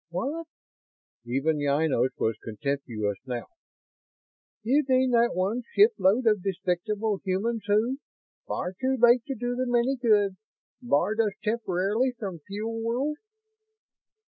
"What?" Even Ynos was contemptuous now. "You mean that one shipload of despicable humans who far too late to do them any good barred us temporarily from Fuel World?"